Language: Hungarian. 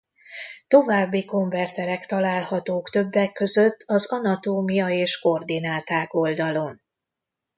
További konverterek találhatók többek között az Anatómia és koordináták oldalon.